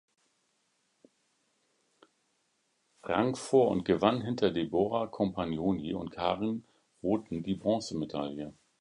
Rang vor und gewann hinter Deborah Compagnoni und Karin Roten die Bronzemedaille.